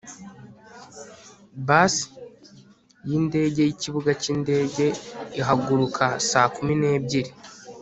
bus yindege yikibuga cyindege ihaguruka saa kumi n'ebyiri